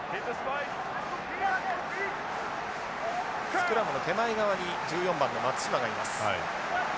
スクラムの手前側に１４番の松島がいます。